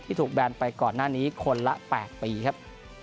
ถูกแบนไปก่อนหน้านี้คนละ๘ปีครับ